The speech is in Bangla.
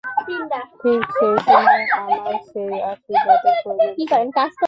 ঠিক সেই সময়ে আমার সেই আশীর্বাদের প্রয়োজন ছিল।